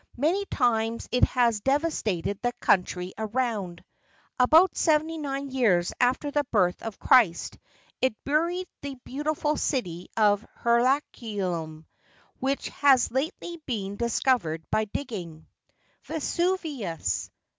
Many times it has devastated the country around. About 79 years after the birth of Christ, it buried the beau¬ tiful city of Herculaneum, which has lately been discovered by digging. Vesuvius